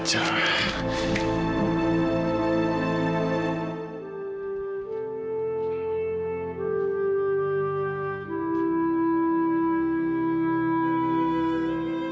saya akan memperoleh